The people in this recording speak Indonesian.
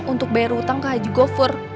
untuk bayar utang ke haji gofur